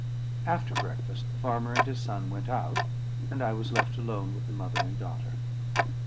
After breakfast, the farmer and his son went out; and I was left alone with the mother and daughter.